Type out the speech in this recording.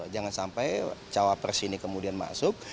jangan sampai cawapres ini kemudian masuk